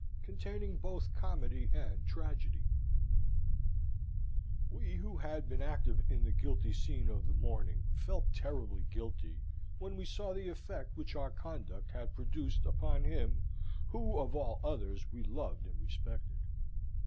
Containing both Comedy and Tragedy We, who had been active in the guilty scene of the morning, felt trebly guilty when we saw the effect which our conduct had produced upon him, who, of all others, we loved and respected.